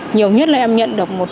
nhiều nhất là em nhận được